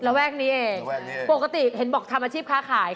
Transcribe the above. แวกนี้เองปกติเห็นบอกทำอาชีพค้าขาย